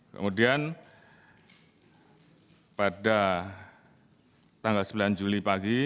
kemudian pada tanggal sembilan juli pagi